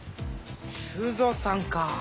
修三さんか。